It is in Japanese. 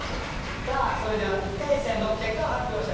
さあそれでは一回戦の結果を発表したいと思います。